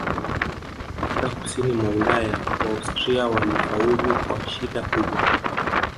Katika Kusini mwa Ulaya Waustria walifaulu kwa shida kubwa